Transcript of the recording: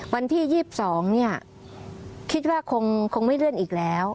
วันที่๒๒เนี่ยคิดว่าคงไม่เลื่อนอีกแล้ว